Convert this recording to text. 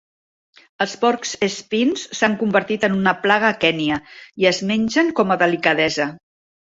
Els porc espins s'han convertit en una plaga a Kenya i es mengen com a delicadesa.